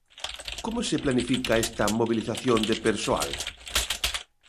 ¿Como se planifica esta mobilización de persoal?